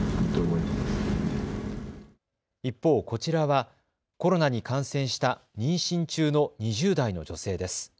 一方、こちらはコロナに感染した妊娠中の２０代の女性です。